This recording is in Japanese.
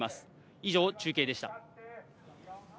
以上、中継でした。